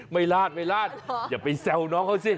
ลาดไม่ลาดอย่าไปแซวน้องเขาสิ